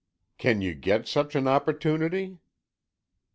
"Can you get such an opportunity?"